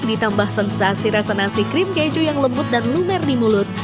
ditambah sensasi rasa nasi krim keju yang lembut dan lumer di mulut